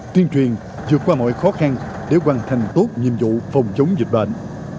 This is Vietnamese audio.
tuyên truyền vượt qua mọi khó khăn để hoàn thành tốt nhiệm vụ phòng chống dịch bệnh